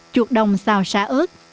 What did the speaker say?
chuột đồng xào sả ớt